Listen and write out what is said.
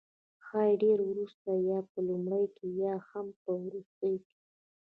ښايي ډیر وروسته، یا په لومړیو کې او یا هم په وروستیو کې